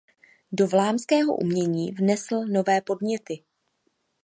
Do vlámského umění vnesl nové podněty.